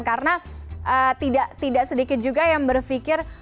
karena tidak sedikit juga yang berpikir